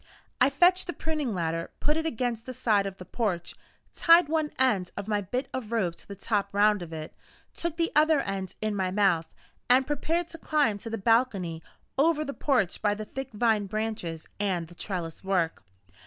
I fetched the pruning ladder; put it against the side of the porch; tied one end of my bit of rope to the top round of it; took the other end in my mouth, and prepared to climb to the balcony over the porch by the thick vine branches and the trellis work.